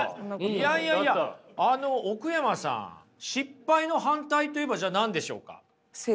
いやいやいや奥山さん失敗の反対といえばじゃあ何でしょうか？